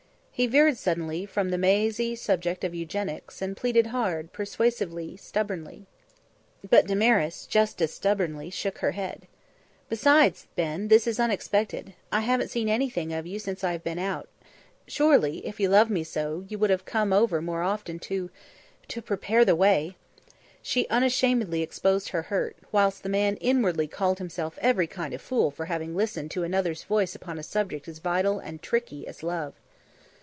He veered suddenly from the mazy subject of eugenics and pleaded hard, persuasively, stubbornly. But Damaris, just as stubbornly, shook her head. "Besides, Ben, this is unexpected. I haven't seen anything of you since I have been out; surely, if you love me so, you would have come over more often to to prepare the way." She unashamedly exposed her hurt, whilst the man inwardly called himself every kind of a fool for having listened to another's voice upon a subject as vital and tricky as love.